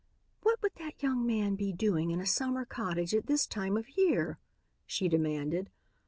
"What would that young man be doing in a summer cottage at this time of year?" she demanded.